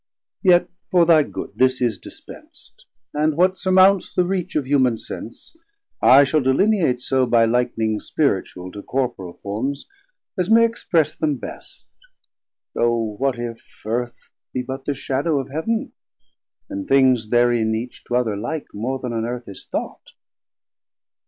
yet for thy good 570 This is dispenc't, and what surmounts the reach Of human sense, I shall delineate so, By lik'ning spiritual to corporal forms, As may express them best, though what if Earth Be but the shaddow of Heav'n, and things therein Each to other like, more then on earth is thought?